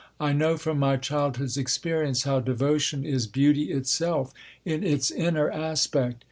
I know, from my childhood's experience, how devotion is beauty itself, in its inner aspect.